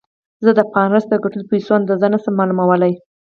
زه د بارنس د ګټلو پيسو اندازه نه شم معلومولای.